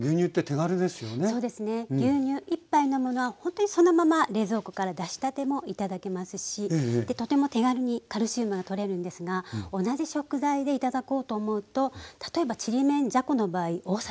牛乳１杯飲むのはほんとにそのまま冷蔵庫から出したても頂けますしとても手軽にカルシウムが取れるんですが同じ食材で頂こうと思うと例えばちりめんじゃこの場合大さじ６杯。